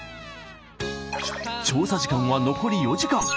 調査時間は残り４時間。